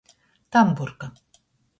Tamburka.